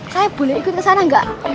saya boleh ikut ke sana gak